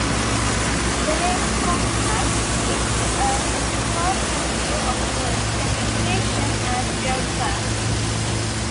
The name "Comcast" is a portmanteau of the words "Communication" and "Broadcast".